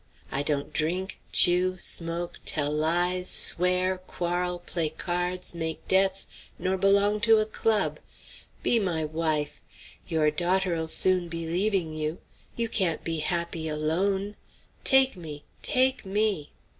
I don't drink, chew, smoke, tell lies, swear, quarrel, play cards, make debts, nor belong to a club be my wife! Your daughter 'll soon be leaving you. You can't be happy alone. Take me! take me!"